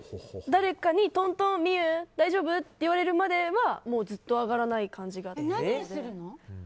誰かにトントン、望結大丈夫？って言われるまではずっと上がらない感じです。